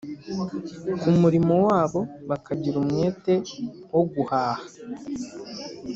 ku murimo wabo bakagira umwete wo guhaha